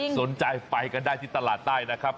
สนใจไปกันได้ที่ตลาดใต้นะครับ